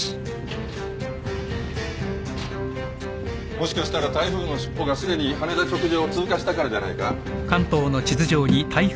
もしかしたら台風のしっぽがすでに羽田直上を通過したからじゃないか。